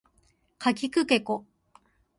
かきくけこ